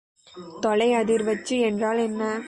தொலை அதிர்வச்சு என்றால் என்ன?